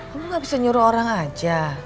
kamu gak bisa nyuruh orang aja